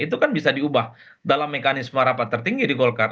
itu kan bisa diubah dalam mekanisme rapat tertinggi di golkar